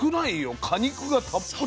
果肉がたっぷり。